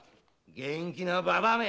元気なババアめ！